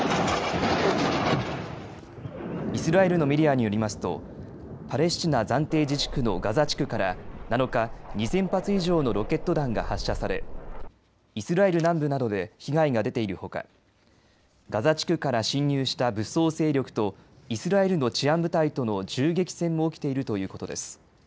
イスラエルのメディアによりますとパレスチナ暫定自治区のガザ地区から７日２０００発以上のロケット弾が発射されイスラエル南部などで被害が出ているほかガザ地区から侵入した武装勢力とイスラエルの治安部隊との銃撃戦も起きているということです。